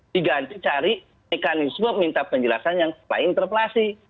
diganti cari mekanisme minta penjelasan yang lain interpelasi